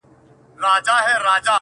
که آرام غواړې، د ژوند احترام وکړه.